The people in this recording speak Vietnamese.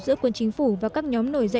giữa quân chính phủ và các nhóm nổi dậy